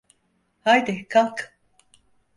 Haydi kalk.